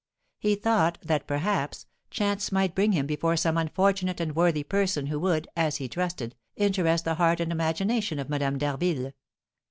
He thought that, perhaps, chance might bring before him some unfortunate and worthy person, who would, as he trusted, interest the heart and imagination of Madame d'Harville.